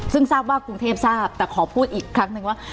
ซึ่งทราบว่ากรุงเทพทราบแต่ขอพูดอีกครั้งหนึ่งว่า